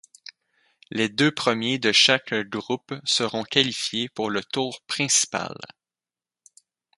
Les deux premiers de chaque groupe seront qualifiés pour le tour principal.